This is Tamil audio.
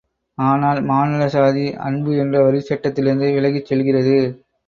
ஆனால் மானுடசாதி அன்பு என்ற வரிச்சட்டத்திலிருந்து விலகிச் செல்கிறது.